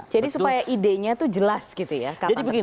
jadi supaya idenya tuh jelas gitu ya kapan mencapainya gitu